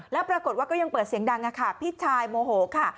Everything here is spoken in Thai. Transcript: แล้วปรากฏว่าก็ยังเปิดเสียงดังค่ะพี่ชายโมโหค่ะ